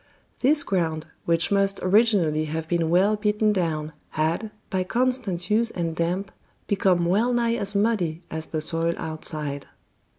This ground, which must originally have been well beaten down, had, by constant use and damp, become well nigh as muddy as the soil outside.